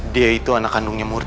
dia itu anak kandungnya murni